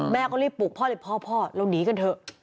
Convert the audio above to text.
แม่ก็รีบปลุกพ่อเลยพ่อพ่อเราหนีกันเถอะ